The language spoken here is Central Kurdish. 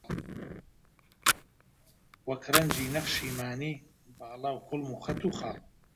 وەک ڕەنگی نەخشی مانی، باڵا و کوڵم و خەت و خاڵ